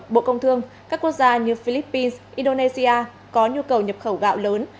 bộ công thương các quốc gia như philippines indonesia có nhu cầu nhập khẩu gạo lớn